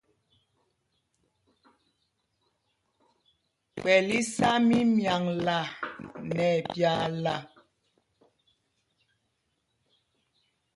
Kpɛ̂l í sá mímyaŋla nɛ ɛpyaala.